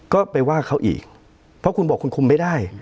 ก็ไปว่าเขาอีกเพราะคุณบอกคุณคุมไม่ได้